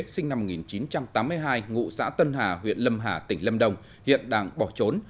sinh năm một nghìn chín trăm tám mươi hai ngụ xã tân hà huyện lâm hà tỉnh lâm đồng hiện đang bỏ trốn